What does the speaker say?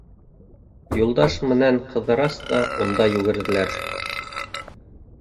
Юлдаш менән Ҡыҙырас та унда йүгерҙеләр.